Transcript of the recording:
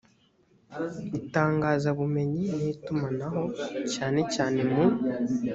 itangazabumenyi n itumanaho cyane cyane mu